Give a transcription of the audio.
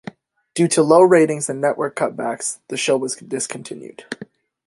Due to low ratings and network cutbacks, the show was discontinued.